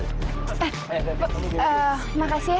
terima kasih ya